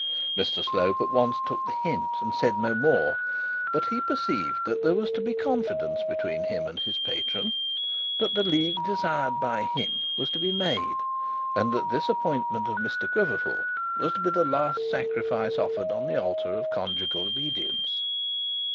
Mr Slope at once took the hint and said no more; but he perceived that there was to be confidence between him and his patron, that the league desired by him was to be made, and that this appointment of Mr Quiverful was to be the sacrifice offered on the altar of conjugal obedience.